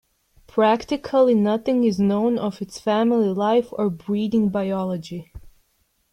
Practically nothing is known of its family life or breeding biology.